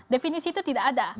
definisi itu tidak ada